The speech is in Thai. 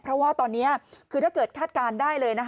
เพราะว่าตอนนี้คือถ้าเกิดคาดการณ์ได้เลยนะคะ